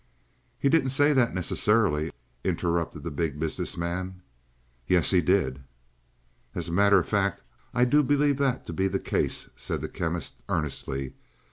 "He didn't say that necessarily," interrupted the Big Business Man. "Yes, he did." "As a matter of fact, I do believe that to be the case," said the Chemist earnestly.